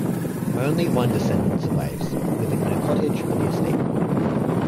Only one descendant survives, living in a cottage on the estate.